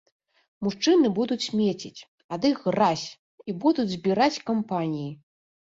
Мужчыны будуць смеціць, ад іх гразь, і будуць збіраць кампаніі!